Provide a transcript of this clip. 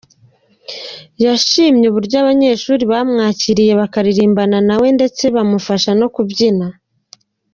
Yashimye uburyo abanyeshuri bamwakiriye bakaririmbana na we ndetse bamufasha no kubyina.